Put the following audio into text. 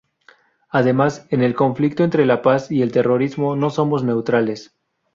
Además, en el conflicto entre la paz y el terrorismo no somos neutrales.